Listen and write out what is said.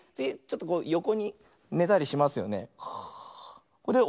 よこにねたりしますよね。